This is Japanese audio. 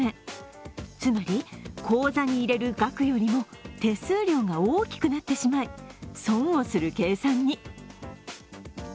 つまり口座に入れる額よりも手数料が大きくなってしまい損をする計算に。